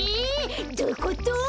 どういうこと？